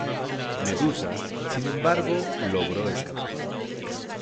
Medusa, sin embargo, logró escapar.